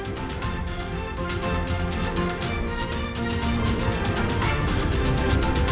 terima kasih pak adi